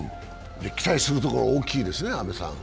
期待するところは大きいですね、阿部さん。